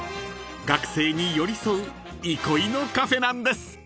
［学生に寄り添う憩いのカフェなんです］